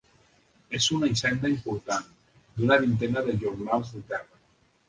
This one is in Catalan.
És una hisenda important, d'una vintena de jornals de terra.